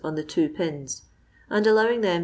on the two pins, and, allowing them M.